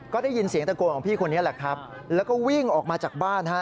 ก็ได้ยินเสียงตะโกนของพี่คนนี้แหละครับแล้วก็วิ่งออกมาจากบ้านฮะ